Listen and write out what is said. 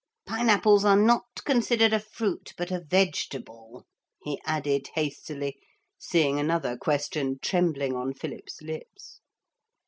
Pine apples are not considered a fruit but a vegetable,' he added hastily, seeing another question trembling on Philip's lips.